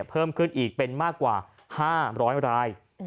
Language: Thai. เพิ่มขึ้นอีกเป็นมากกว่า๕๐๐ราย